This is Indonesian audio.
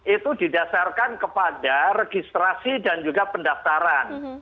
itu didasarkan kepada registrasi dan juga pendaftaran